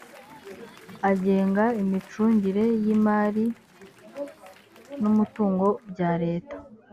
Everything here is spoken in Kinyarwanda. agenga imicungire y imari n umutungo bya leta